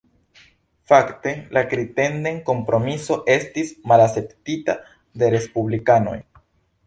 Fakte, la Crittenden-Kompromiso estis malakceptita de Respublikanoj.